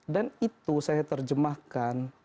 dan itu saya terjemahkan